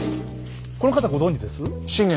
この方ご存じです？